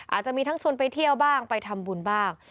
อาจจะมีทั้งชวนไปเที่ยวบ้างไปทำบุญบ้าง